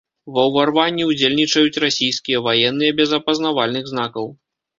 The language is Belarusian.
Ва ўварванні ўдзельнічаюць расійскія ваенныя без апазнавальных знакаў.